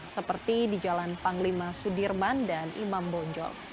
seperti di jalan panglima sudirman dan imam bonjol